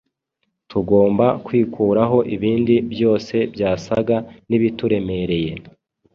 tugomba kwikuraho ibindi byose byasaga n’ibituremereye